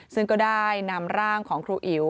ซึ่งก็ได้นำร่างของครูอิ๋ว